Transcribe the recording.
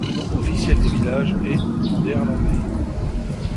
Le nom officiel des villages est en néerlandais.